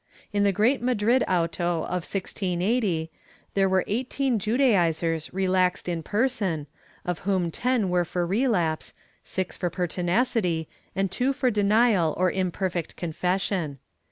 In the great Madrid auto of 1680, there were eighteen Judaizers relaxed in person, of whom ten were for relapse, six for pertinacity and two for denial or imperfect confession.